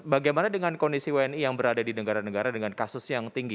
bagaimana dengan kondisi wni yang berada di negara negara dengan kasus yang tinggi